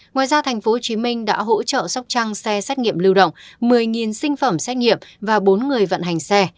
ngoài ra tp hcm đã hỗ trợ sóc trăng xe xét nghiệm lưu động một mươi sinh phẩm xét nghiệm và bốn người vận hành xe